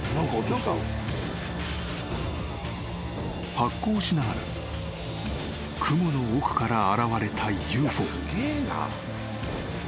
［発光しながら雲の奥から現れたＵＦＯ］